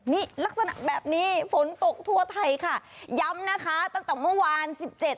นี่ลักษณะแบบนี้ฝนตกทั่วไทยค่ะย้ำนะคะตั้งแต่เมื่อวานสิบเจ็ด